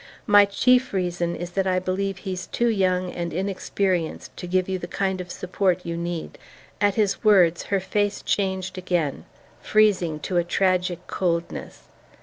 "My chief reason is that I believe he's too young and inexperienced to give you the kind of support you need." At his words her face changed again, freezing to a tragic coldness.